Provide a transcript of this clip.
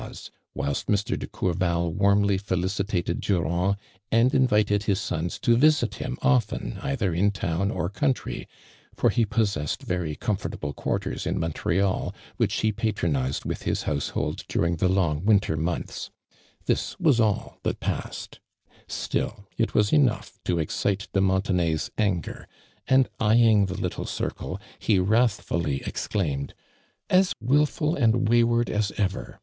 e, whilst Mr. <le T'ourval wuiinly i'elicitatud Duranrl, and invitod his sons to visit him ofton either in town or country, for he pos sessed very conifortuble (|uarters in Mon treal, which he j)atronized with his houso liold during the long winter months ; tiiis was all that passed. Still it was enough to excite de Muntenay's nngei'. and eyeing tlie little circle, he wrathliilly exclaimed: •• As wilful and wayward as ever!